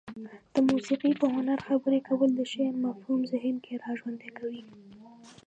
د موسيقي په هنر خبرې کول د شعر مفهوم ذهن کې را ژوندى کوي.